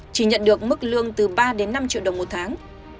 chỉ nhận được mức lương từ ba đến năm triệu đồng một tháng